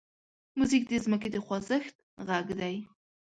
موزیک د ځمکې د خوځښت غږ دی.